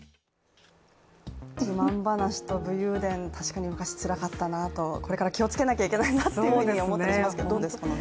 自慢話と武勇伝、確かに昔つらかったなとこれから気をつけなくてはいけないなと思いますが、どうですかね。